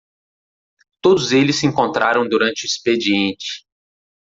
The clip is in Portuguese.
Todos eles se encontraram durante o expediente.